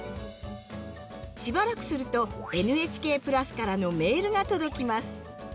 しばらくするとＮＨＫプラスからのメールが届きます。